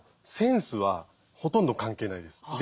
センスはほとんど関係ないです。